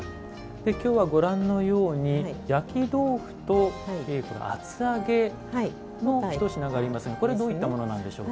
今日はご覧のように焼き豆腐と厚揚げのひと品がありますがどういったものなんでしょう？